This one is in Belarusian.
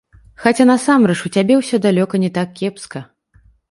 Хаця насамрэч у цябе ўсё далёка не так кепска.